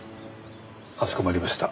かしこまりました。